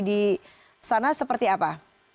dan terjadi di sana seperti apa